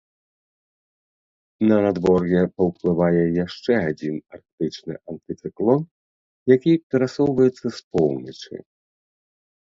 На надвор'е паўплывае яшчэ адзін арктычны антыцыклон, які перасоўваецца з поўначы.